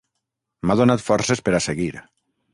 M'ha donat forces per a seguir.